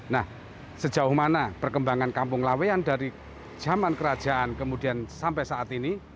nah sejauh mana perkembangan kampung laweyan dari zaman kerajaan kemudian sampai saat ini